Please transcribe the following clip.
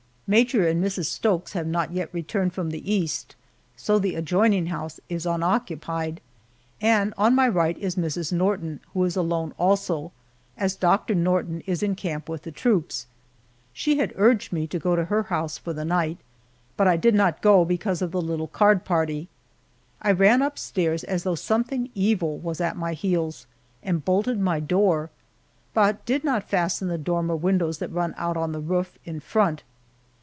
Major and Mrs. Stokes have not yet returned from the East, so the adjoining house is unoccupied, and on my right is Mrs. Norton, who is alone also, as Doctor Norton is in camp with the troops. She had urged me to go to her house for the night, but I did not go, because of the little card party. I ran upstairs as though something evil was at my heels and bolted my door, but did not fasten the dormer windows that run out on the roof in front.